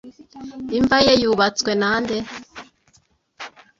Imva ye yubatswe nande